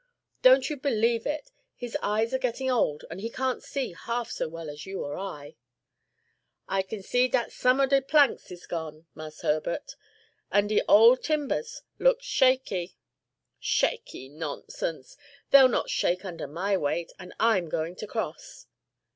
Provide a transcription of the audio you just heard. "Don't you believe it: his eyes are getting old and he can't see half so well as you or I." "I kin see dat some ob de planks is gone, Marse Herbert; an' de ole timbahs looks shaky." "Shaky! nonsense! they'll not shake under my weight, and I'm going to cross."